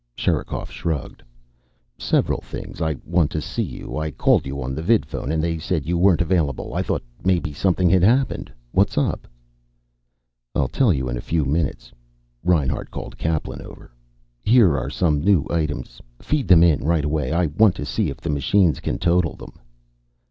Sherikov shrugged. "Several things. I wanted to see you. I called you on the vidphone and they said you weren't available. I thought maybe something had happened. What's up?" "I'll tell you in a few minutes." Reinhart called Kaplan over. "Here are some new items. Feed them in right away. I want to see if the machines can total them."